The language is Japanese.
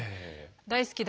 「大好きだ。